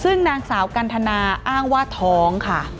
ซึ่งนางสากัณฑณาอ้างว่าท้อง